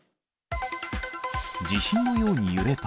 地震のように揺れた。